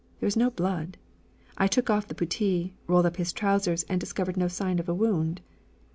There was no blood. I took off the puttee, rolled up his trousers, and discovered no sign of a wound.